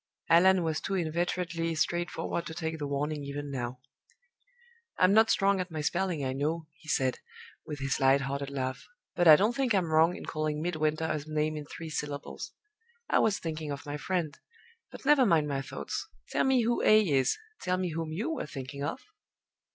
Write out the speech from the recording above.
Allan was too inveterately straightforward to take the warning even now. "I'm not strong at my spelling, I know," he said, with his lighthearted laugh. "But I don't think I'm wrong, in calling Midwinter a name in three syllables. I was thinking of my friend; but never mind my thoughts. Tell me who A is tell me whom you were thinking of?"